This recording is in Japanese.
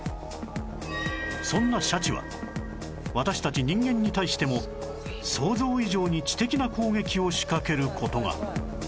そんなシャチは私たち人間に対しても想像以上に知的な攻撃を仕掛ける事が